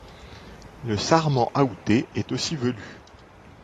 Le sarment aoûté est aussi velu.